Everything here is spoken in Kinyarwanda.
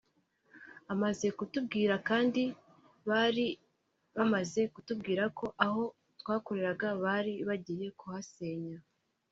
Amaze kubimbwira kandi bari bamaze kutubwira ko aho twakoreraga bari bagiye kuhasenya